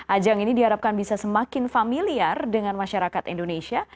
ajang ini diharapkan bisa semakin familiar dengan masyarakat indonesia